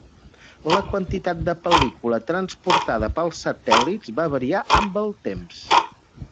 La quantitat de pel·lícula transportada pels satèl·lits va variar amb el temps.